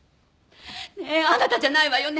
ねえあなたじゃないわよね？